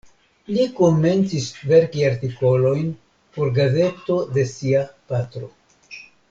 Li komencis verki artikolojn por gazeto de sia patro.